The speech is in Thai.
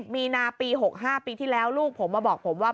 มีนาปี๖๕ปีที่แล้วลูกผมมาบอกผมว่า